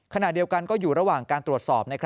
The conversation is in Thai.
ขณะเดียวกันก็อยู่ระหว่างการตรวจสอบ